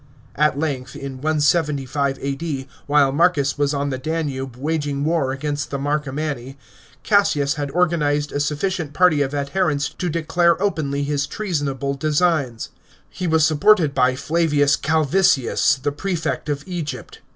At length, in 175 A.D., while Marcus was on the Danube waging war against the Marcomauni, Gassins had organised a sufficient party of adherents to declare openly his treasonable designs. He was supported by Flavins Calvisius, the prefect of Egypt.